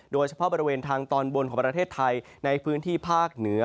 โดยเฉพาะบริเวณทางตอนบนของประเทศไทยในพื้นที่ภาคเหนือ